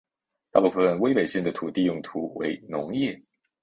大部分威北县的土地用途为农业。